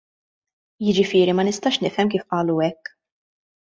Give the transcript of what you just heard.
Jiġifieri ma nistax nifhem kif qalu hekk.